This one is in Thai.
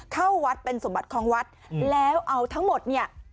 เข้าวัดเป็นสมบัติของวัดแล้วเอาทั้งหมดเนี่ย